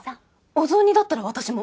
お雑煮だったら私も！